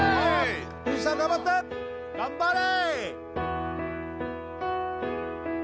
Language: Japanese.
藤木さん頑張って頑張れ！